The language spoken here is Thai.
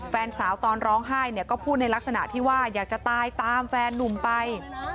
แฟนสาวตอนร้องไห้เนี่ยก็พูดในลักษณะที่ว่าอยากจะตายตามแฟนนุ่มไป